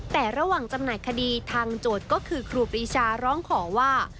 แต่ระหว่างจำหน่ายคดีทางโจทย์ก็คือครูปรีชาร้องขอว่า